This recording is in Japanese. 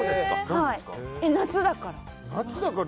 夏だから。